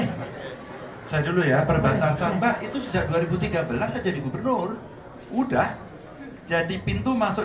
hai saya dulu ya berbatasan bah itu sejak dua ribu tiga belas jadi gubernur udah jadi pintu masuk